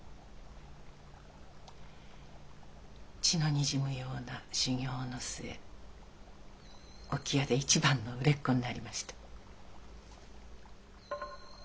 血のにじむような修業の末置屋で一番の売れっ子になりました。